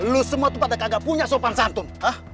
lu semua tuh pada kagak punya sopan santun